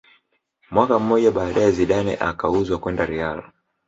Mwaka mmoja baadaye Zidane akauzwa kwenda real